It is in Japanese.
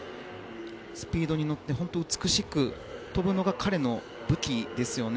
スピードに乗って美しく跳ぶのが彼の武器ですよね。